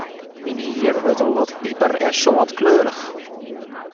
Myn hier wurdt al wat piper-en-sâltkleurich.